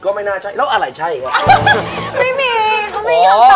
เขาไม่ยอมตอบ